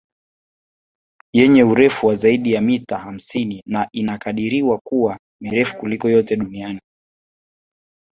Yenye urefu wa zaidi ya mita hamsini na inakadiriwa kuwa mirefu kuliko yote duniani